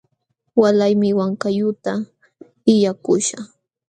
Walaymi Wankayuqta illakuśhaq.